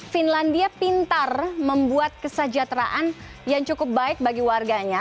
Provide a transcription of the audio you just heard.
finlandia pintar membuat kesejahteraan yang cukup baik bagi warganya